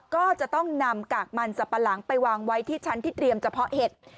ก็จะต้องนำกากมันสับปะหลังไปวางไว้ที่ชั้นที่เตรียมเฉพาะเห็ด